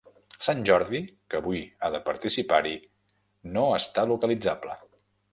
Sant Jordi que avui ha de participar-hi no està localitzable.